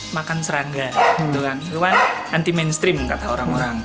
makan serangga itu kan anti mainstream kata orang orang